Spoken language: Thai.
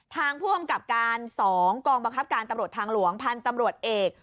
ทางผู้อำกับการ๒กองบังคับการตำรวจทางหลวงพันธุ์ตำรวจเอก